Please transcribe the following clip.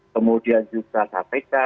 kemudian juga hpk